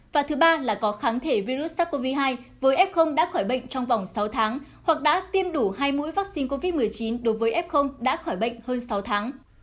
và thứ ba là có kháng thể virus sars cov hai với f đã khỏi bệnh trong vòng sáu tháng hoặc đã tiêm đủ hai mũi vaccine covid một mươi chín đối với f đã khỏi bệnh hơn sáu tháng